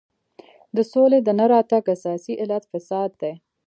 د سولې د نه راتګ اساسي علت فساد دی.